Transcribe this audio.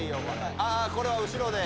あこれは後ろで。